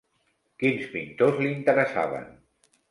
Quins pintors l'interessaven?